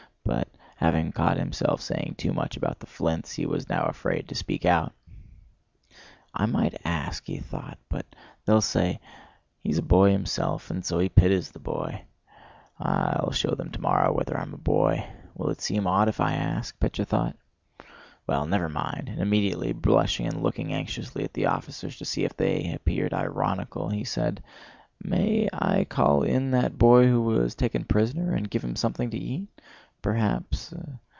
But having caught himself saying too much about the flints, he was now afraid to speak out. "I might ask," he thought, "but they'll say: 'He's a boy himself and so he pities the boy.' I'll show them tomorrow whether I'm a boy. Will it seem odd if I ask?" Pétya thought. "Well, never mind!" and immediately, blushing and looking anxiously at the officers to see if they appeared ironical, he said: "May I call in that boy who was taken prisoner and give him something to eat?... Perhaps..."